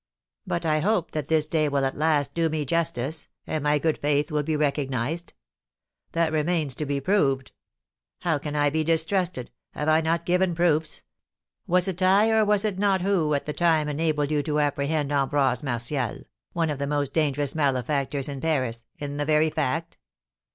"But I hope that this day will at last do me justice, and my good faith will be recognised." "That remains to be proved." "How can I be distrusted have I not given proofs? Was it I or was it not who, at the time, enabled you to apprehend Ambroise Martial, one of the most dangerous malefactors in Paris, in the very fact?"